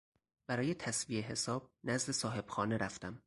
برای تسویه حساب نزد صاحبخانه رفتم.